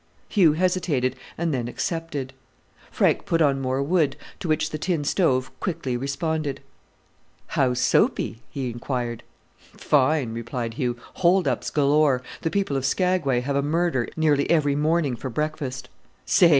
Hugh hesitated, and then accepted. Frank put on more wood, to which the tin stove quickly responded. "How's Soapy?" he inquired. "Fine," replied Hugh, "hold ups galore. The people of Skagway have a murder nearly every morning for breakfast!" "Say!